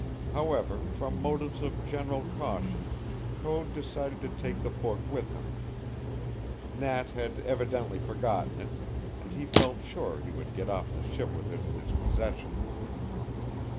However, from motives of general caution, Code decided to take the book with him. Nat had evidently forgotten it, and he felt sure he would get off the ship with it in his possession.